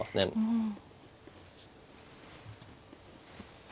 うん。